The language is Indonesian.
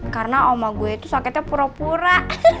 karena oma gue sakitnya pura pura